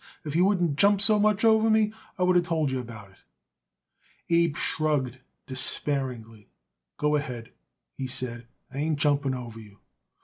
If you wouldn't jump so much over me, I would of told you about it." Abe shrugged despairingly. "Go ahead," he said. "I ain't jumping over you."